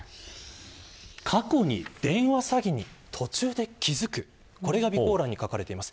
過去に電話詐欺に途中で気付くこれが備考欄に書かれています。